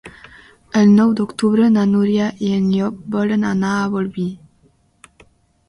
El nou d'octubre na Núria i en Llop volen anar a Bolvir.